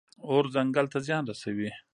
اور ځنګل ته زیان رسوي.